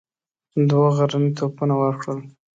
دوه غرني توپونه ورکړل.